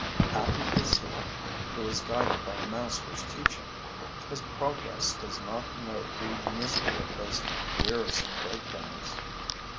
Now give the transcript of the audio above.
Happy is he who is guided by a master's teaching! His progress does not know the misery of those wearisome breakdowns.